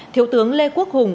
thiếu tướng lê quốc hùng